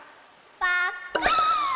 パッカーン！